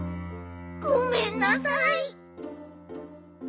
ごめんなさい。